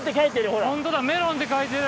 ホントだメロンって書いてる。